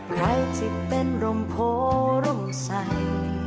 ใครที่เป็นร่มโพร่มใส